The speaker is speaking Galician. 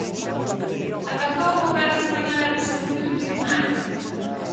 Acatou o Goberno español a resolución do Tribunal?